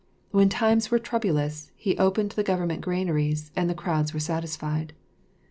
When times were troublous he opened the government granaries and the crowds were satisfied.